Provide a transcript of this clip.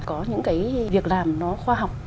có những cái việc làm nó khoa học